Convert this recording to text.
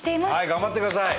頑張ってください。